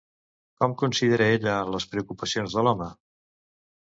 Com considera ella les preocupacions de l'home?